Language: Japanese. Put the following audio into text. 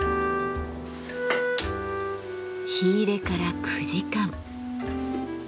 火入れから９時間。